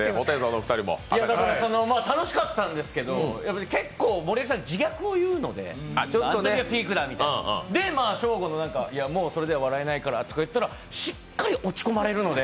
楽しかったんですけど、結構、森脇さん、自虐を言うのであのときがピークだみたいな、いや、もうそれでは笑えないからとか言ったらしっかり落ち込まれるので。